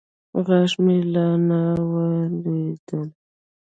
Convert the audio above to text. غاښ مې لا نه و لوېدلى.